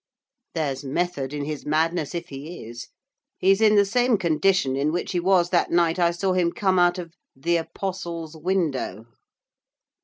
'There's method in his madness if he is. He's in the same condition in which he was that night I saw him come out of the Apostle's window.